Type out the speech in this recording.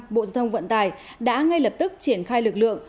bộ giao thông vận tải đã ngay lập tức triển khai lực lượng